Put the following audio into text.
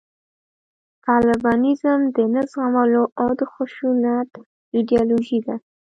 طالبانیزم د نه زغملو او د خشونت ایدیالوژي ده